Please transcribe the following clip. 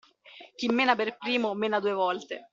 Chi mena per primo, mena due volte.